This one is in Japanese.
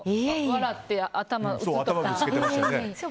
笑って頭打つとか。